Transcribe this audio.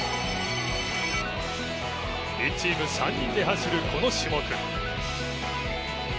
１チーム３人で走るこの種目。